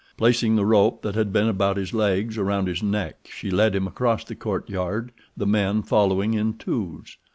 Placing the rope that had been about his legs around his neck, she led him across the courtyard, the men following in twos.